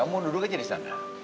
tuhan duduk aja disana